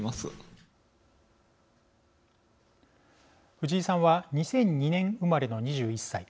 藤井さんは２００２年生まれの２１歳。